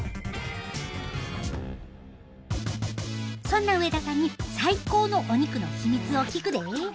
そんな上田さんに最高のお肉の秘密を聞くで。